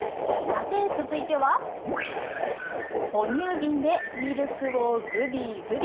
続いては、哺乳瓶でミルクをグビグビ。